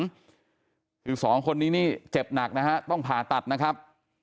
คือสองคนนี้นี่เจ็บหนักนะฮะต้องผ่าตัดนะครับ